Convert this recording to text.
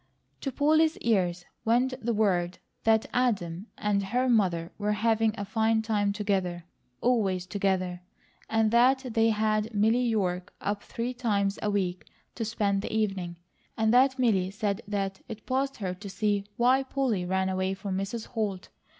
To Polly's ears went the word that Adam and her mother were having a fine time together, always together; and that they had Milly York up three times a week to spend the evening; and that Milly said that it passed her to see why Polly ran away from Mrs. Holt.